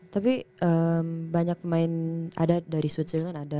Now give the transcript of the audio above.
tapi banyak pemain ada dari switzerland ada